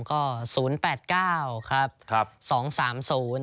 ก็๐๘๙๒๓๐๔๖๒๖ครับผม